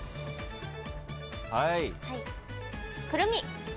はい。